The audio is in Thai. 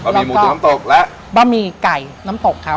หมี่หมูตุ๋นน้ำตกและบะหมี่ไก่น้ำตกครับ